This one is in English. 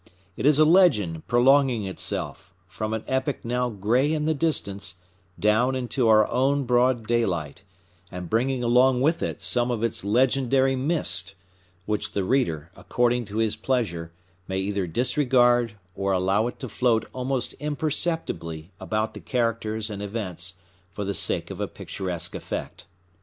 It is a legend prolonging itself, from an epoch now gray in the distance, down into our own broad daylight, and bringing along with it some of its legendary mist, which the reader, according to his pleasure, may either disregard, or allow it to float almost imperceptibly about the characters and events for the sake of a picturesque effect.